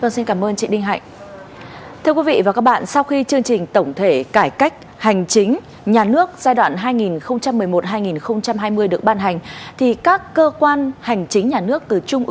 xin cảm ơn chị đinh hạnh